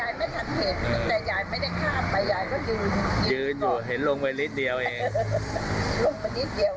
หลายเบชทั้งไม่เกิน๒๐เบตครับ